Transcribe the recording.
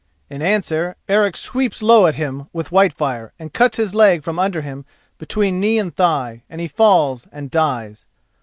In answer Eric sweeps low at him with Whitefire, and cuts his leg from under him between knee and thigh, and he falls and dies.